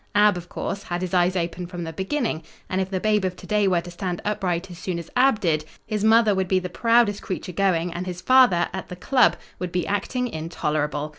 Ab, of course, had his eyes open from the beginning, and if the babe of to day were to stand upright as soon as Ab did, his mother would be the proudest creature going and his father, at the club, would be acting intolerable.